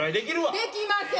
できません！